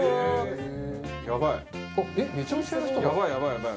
やばい！